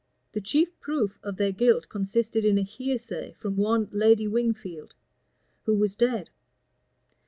The chief proof of their guilt consisted in a hearsay from one Lady Wingfield, who was dead.